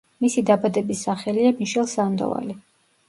მისი დაბადების სახელია მიშელ სანდოვალი.